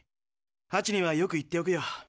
ハチにはよく言っておくよ。